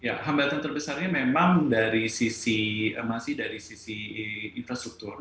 ya hambatan terbesarnya memang dari sisi masih dari sisi infrastruktur